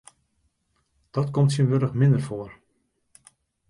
Dat komt tsjintwurdich minder foar.